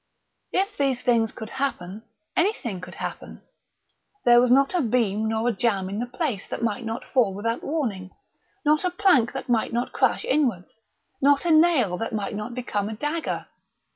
If these things could happen, anything could happen. There was not a beam nor a jamb in the place that might not fall without warning, not a plank that might not crash inwards, not a nail that might not become a dagger.